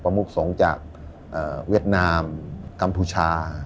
มุกสงฆ์จากเวียดนามกัมพูชา